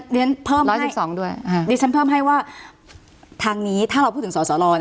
ร้อยสิบสองด้วยดิฉันเพิ่มให้ว่าทางนี้ถ้าเราพูดถึงสอสลอ